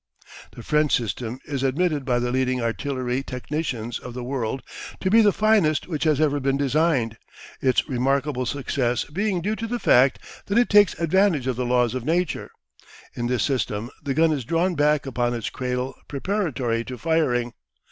The French system is admitted by the leading artillery technicians of the world to be the finest which has ever been designed, its remarkable success being due to the fact that it takes advantage of the laws of Nature. In this system the gun is drawn back upon its cradle preparatory to firing.